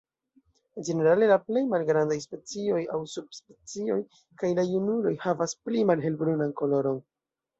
Ĝenerale la plej malgrandaj specioj aŭ subspecioj kaj la junuloj havas pli malhelbrunan koloron.